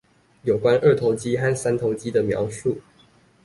有關二頭肌和三頭肌的描述